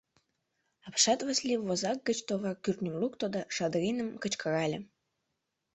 Апшат Васлий возак гыч товар кӱртньым лукто да Шадриным кычкырале.